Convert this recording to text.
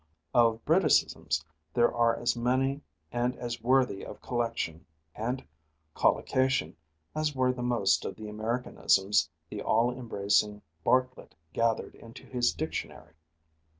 Of Briticisms there are as many and as worthy of collection and collocation as were the most of the Americanisms the all embracing Bartlett gathered into his dictionary.